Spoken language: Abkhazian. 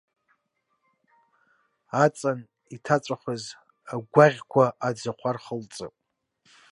Аҵан иҭаҵәахыз агәаӷьқәа аӡахәа рхылҵып.